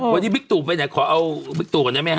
วันนี้ปี๊กตุ๋ไปเนี่ยขอเอาปี๊กตุ๋ก่อนได้มั้ยฮะ